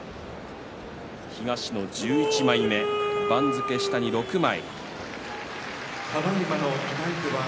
東の１１枚目、番付下に６枚。